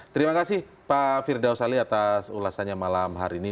terima kasih pak firdaus ali atas ulasannya malam hari ini